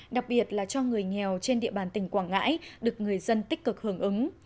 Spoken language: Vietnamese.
đặc biệt là cho người nghèo trên địa bàn tỉnh quảng ngãi được người dân tích cực hưởng ứng